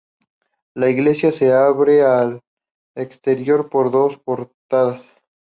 La iglesia se abre al exterior por dos portadas.